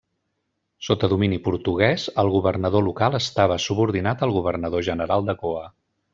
Sota domini portuguès el governador local estava subordinat al governador general de Goa.